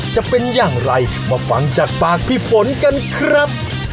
จะเป็นอย่างไรมาฟังจากปากพี่ฝนกันครับ